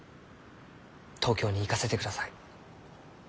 東京に行かせてください。